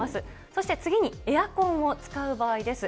そして次に、エアコンを使う場合です。